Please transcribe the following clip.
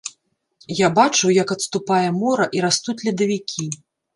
Я бачыў, як адступае мора і растаюць ледавікі.